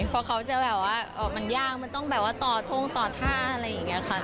เพราะเขาจะแบบว่าออกมันยากมันต้องแบบว่าต่อทงต่อท่าอะไรอย่างนี้ค่ะ